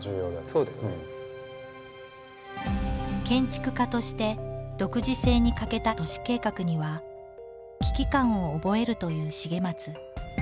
建築家として独自性に欠けた都市計画には危機感を覚えるという重松。